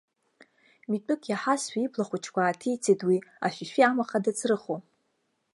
Митәык иаҳазшәа иблахәыҷқәа ааҭицеит уи, ашәишәи амаха дацрыхо.